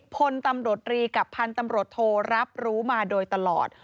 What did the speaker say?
พลตำรวจรีกับพันธุ์ตำรวจโทรรับรู้มาโดยตลอด